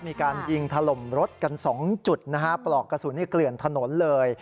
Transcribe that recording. มีการยิงถล่มรถกัน๒จุดนะฮะปลอกกระสุนเกลื่อนถนนเลย